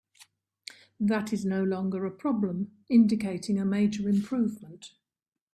That is no longer a problem, indicating a major improvement.